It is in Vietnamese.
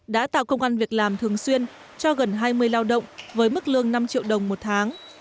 đã tạo công an việc làm thường xuyên cho gần hai mươi lao động với mức lương năm triệu đồng một tháng